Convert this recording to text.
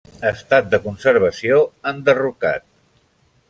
Estat de conservació: enderrocat.